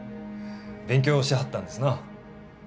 勉強しはったんですな。